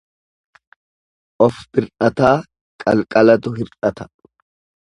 ofbir'ataa qalqalatu hirata.